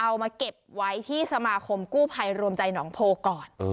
เอามาเก็บไว้ที่สมาคมกู้ภัยรวมใจหนองโพก่อน